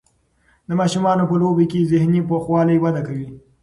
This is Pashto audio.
د ماشومانو په لوبو کې ذهني پوخوالی وده کوي.